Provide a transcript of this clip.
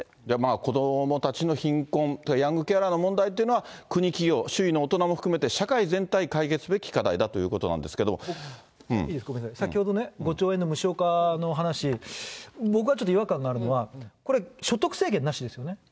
子どもたちの貧困、ヤングケアラーの問題というのは、国、企業、周囲の大人も含めて社会全体を含めて解決すべき課題だということごめんなさい、先ほどの５兆円の無償化の話、僕はちょっと違和感があるのは、これ、所得制限なしですよね。